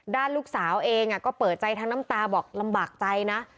ด้านลูกสาวเองก็เปิดใจทั้งน้ำตาบอกลำบากใจนะ